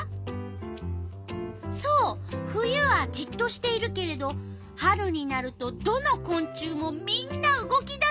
そう冬はじっとしているけれど春になるとどのこん虫もみんな動き出す！